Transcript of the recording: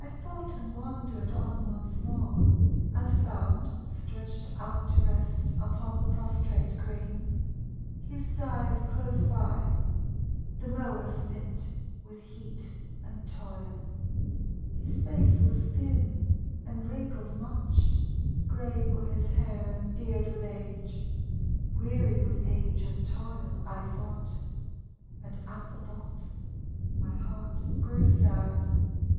I tho't and wandered on once more, And found stretched out to rest Upon the prostrate grain, his scythe close by, The mower spent with heat and toil. His face was thin and wrinkled much. Grey were his hair and beard with age. Weary with age and toil, I tho't, And at the tho't my heart grew sad.